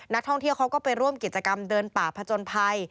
นักท่องเที่ยวเขาก็ไปร่วมกิจกรรมเดินป่าผจญภัย